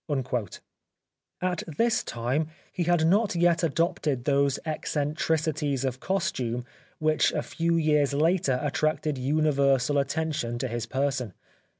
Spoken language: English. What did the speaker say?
At this time he had not yet adopted those eccentricities of costume which a few years later attracted universal attention to his person.